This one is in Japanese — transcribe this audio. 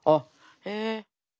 へえ。